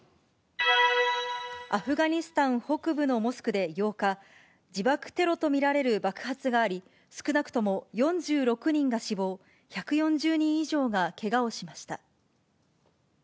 アフガニスタン北部のモスクで８日、自爆テロと見られる爆発があり、少なくとも４６人が死亡、１４０人以上がけがをしました。